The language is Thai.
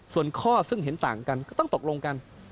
ส่วนข้อซึ่งเห็นต่างกันก็ต้องตกลงกัน